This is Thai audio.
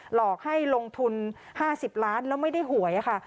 หลอกให้ลงทุน๕๐ล้านแล้วไม่ได้หวยค่ะ